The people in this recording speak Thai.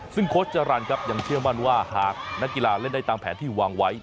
ซึ่งโค้ชจรรย์ครับยังเชื่อมั่นว่าหากนักกีฬาเล่นได้ตามแผนที่วางไว้